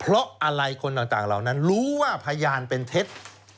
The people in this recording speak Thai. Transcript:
เพราะอะไรคนต่างเหล่านั้นรู้ว่าพยานเป็นเท็จ